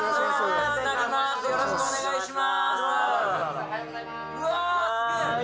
よろしくお願いします。